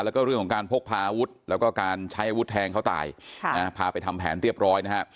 แล้วก็เรื่องของการพกพาอาวุธแล้วก็การใช้อาวุธแทงเขาตายพาไปทำแผนเรียบร้อยนะฮะ